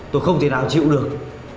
tôi không thể nào chịu được